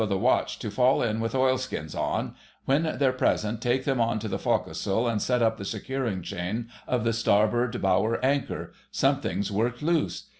of the watch to fall in with oilskins on; when they're present, take them on to the forecastle and set up the securing chain of the starboard bower anchor. Something's worked loose.